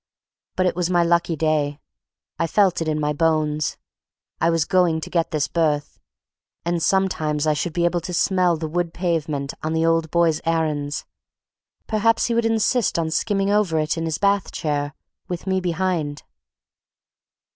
But it was my lucky day. I felt it in my bones. I was going to get this berth; and sometimes I should be able to smell the wood pavement on the old boy's errands; perhaps he would insist on skimming over it in his bath chair, with me behind.